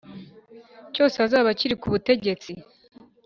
cyose azaba akiri ku butegetsi,